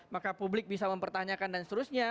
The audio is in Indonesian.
maka publik bisa mempertanyakan dan seterusnya